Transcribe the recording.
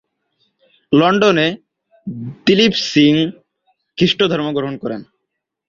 লন্ডনে, দিলীপ সিং খ্রিস্টধর্ম গ্রহণ করেন।